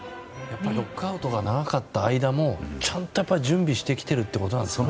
ロックアウトが長かった間もちゃんと準備してきているということなんですね。